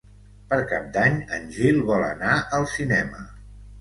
Per Cap d'Any en Gil vol anar al cinema.